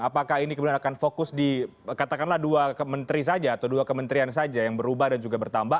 apakah ini kemudian akan fokus di katakanlah dua menteri saja atau dua kementerian saja yang berubah dan juga bertambah